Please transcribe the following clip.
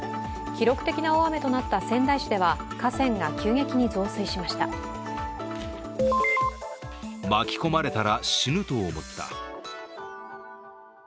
記録的な大雨となった仙台市では河川が急激に増水しました。